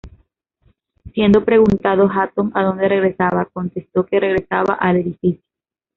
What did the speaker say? Siendo preguntado Hatton a donde regresaba, contestó que regresaba al edificio.